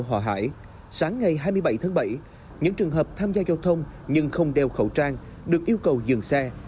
hòa hải sáng ngày hai mươi bảy tháng bảy những trường hợp tham gia giao thông nhưng không đeo khẩu trang được yêu cầu dừng xe